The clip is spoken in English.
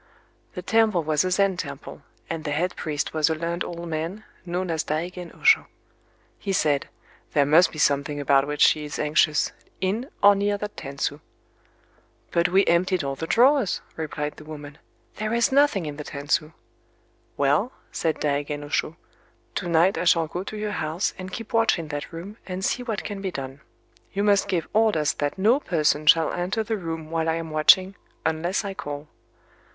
The temple was a Zen temple; and the head priest was a learned old man, known as Daigen Oshō. He said: "There must be something about which she is anxious, in or near that tansu."—"But we emptied all the drawers," replied the woman;—"there is nothing in the tansu."—"Well," said Daigen Oshō, "to night I shall go to your house, and keep watch in that room, and see what can be done. You must give orders that no person shall enter the room while I am watching, unless I call."